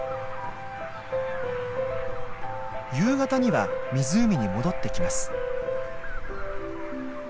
夕方には湖に戻ってきます。